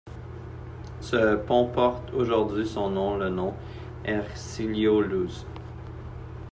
Ce pont porte aujourd'hui son nom, le pont Hercílio Luz.